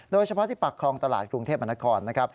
โดยเฉพาะที่ปากคลองตลาดกรุงเทพมนครนะครับ